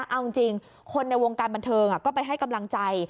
เอาจริงคนในวงการบันเทิงก็ไปให้กำลังใจ